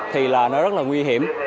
thì nó rất là nguy hiểm